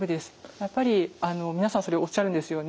やっぱり皆さんそれおっしゃるんですよね。